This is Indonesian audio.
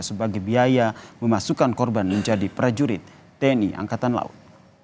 sebagai biaya memasukkan korban menjadi prajurit tni angkatan laut